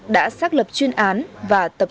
đã xác lập chuyên nghiệp